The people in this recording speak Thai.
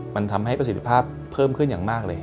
มันทำให้ประสิทธิภาพเพิ่มขึ้นอย่างมากเลย